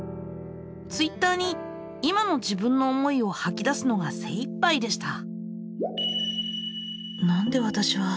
Ｔｗｉｔｔｅｒに今の自分の思いをはき出すのがせいいっぱいでした。